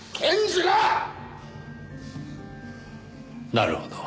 なるほど。